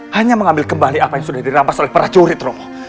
hanya mengambil kembali apa yang sudah dirampas oleh para curit romo